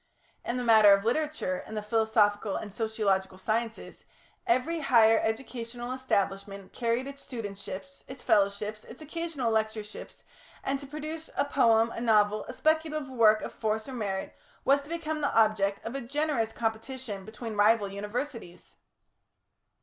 In the matter of literature and the philosophical and sociological sciences, every higher educational establishment carried its studentships, its fellowships, its occasional lectureships, and to produce a poem, a novel, a speculative work of force or merit, was to become the object of a generous competition between rival Universities.